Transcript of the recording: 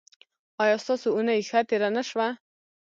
ایا ستاسو اونۍ ښه تیره نه شوه؟